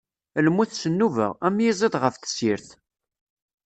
Lmut s nnuba, am yiẓid ɣeṛ tessirt.